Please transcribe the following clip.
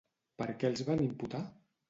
Per què els van imputar?